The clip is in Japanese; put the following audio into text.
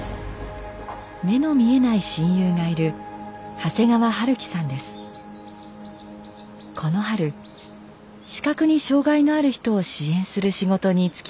目の見えない親友がいるこの春視覚に障害のある人を支援する仕事に就きました。